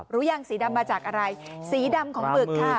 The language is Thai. หรือยังสีดำมาจากอะไรสีดำของหมึกค่ะ